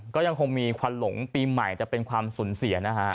ก็ยังคงมีควันหลงปีใหม่จะเป็นความสูญเสียนะฮะ